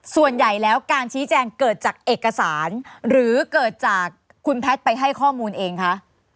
ส่วนใหญ่แล้วการชี้แจงเกิดจากเอกสารหรือเกิดจากคุณแพทย์ไปให้ข้อมูลเองคะ